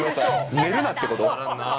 寝るなってこと？